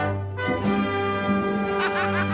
ハハハハ！